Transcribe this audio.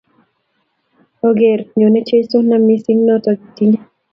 Ogerro nyone Jesu, nam mising’ noto itinye